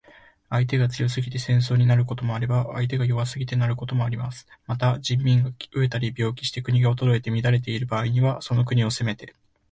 相手が強すぎて戦争になることもあれば、相手が弱すぎてなることもあります。また、人民が餓えたり病気して国が衰えて乱れている場合には、その国を攻めて